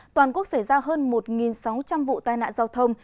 toàn quốc xảy ra hơn một sáu trăm linh vụ tai nạn giao thông